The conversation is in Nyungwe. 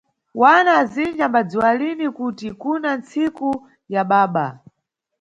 Wana azinji ambadziwa lini kuti kuna ntsiku ya baba.